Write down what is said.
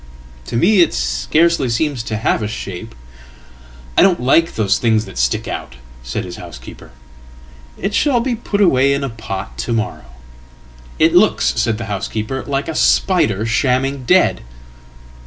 ""To me it scarcely seems to have a shape.""I don't like those things that stick out," said his housekeeper."It shall be put away in a pot to morrow.""It looks," said the housekeeper, "like a spider shamming dead."